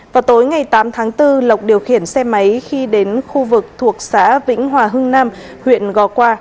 vào tối ngày tám tháng bốn lộc điều khiển xe máy khi đến khu vực thuộc xã vĩnh hòa hưng nam huyện gò qua